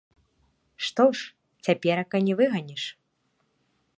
Што ж, цяперака не выганіш.